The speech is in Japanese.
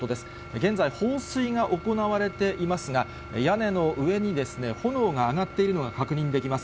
現在、放水が行われていますが、屋根の上に炎が上がっているのが確認できます。